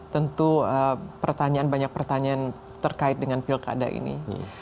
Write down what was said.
tentu pertanyaan banyak pertanyaan terkait dengan pilkada ini